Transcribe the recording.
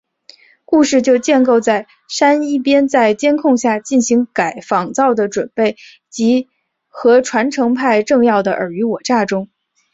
故事就建构在珊一边在监控下进行仿造的准备及和传承派政要的尔虞我诈中。